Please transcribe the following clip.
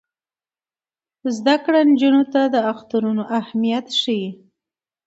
زده کړه نجونو ته د اخترونو اهمیت ښيي.